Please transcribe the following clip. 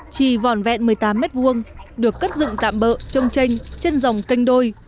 chỉ vòn vẹn một mươi tám m hai được cất dựng tạm bỡ trong tranh trên dòng kênh đôi